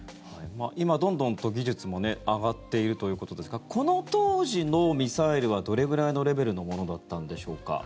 今、どんどんと技術も上がっているということですがこの当時のミサイルはどれくらいのレベルのものだったのでしょうか。